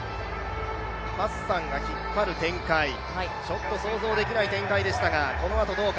ハッサンが引っ張る展開、ちょっと想像できない展開でしたが、このあとどうか。